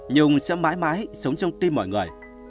nhung sẽ mãi mãi sống trong tim mọi người